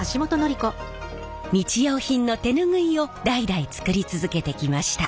日用品の手ぬぐいを代々作り続けてきました。